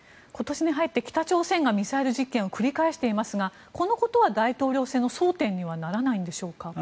今年に入って北朝鮮がミサイル実験を繰り返していますがこのことは大統領選の争点にはならないんでしょうか。